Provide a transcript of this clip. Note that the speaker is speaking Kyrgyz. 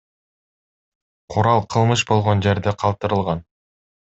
Курал кылмыш болгон жерде калтырылган.